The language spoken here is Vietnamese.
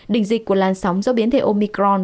đỉnh dịch của làn sóng do biến thể omicron